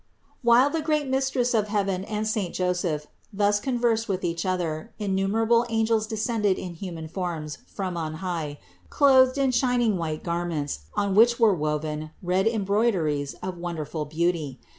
523. While the great Mistress of heaven and saint Joseph thus conversed with each other, innumerable angels descended in human forms from on high, clothed in shining white garments, on which were woven red embroideries of wonderful beauty.